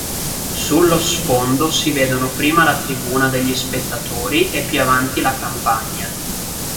Sullo sfondo si vedono prima la tribuna degli spettatori e più avanti la campagna.